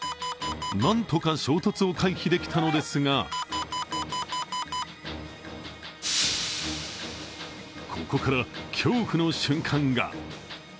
何とか衝突を回避できたのですがここから恐怖の瞬間が。